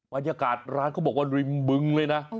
บรรยากาศร้านเขาบอกว่าริมบึงเลยนะ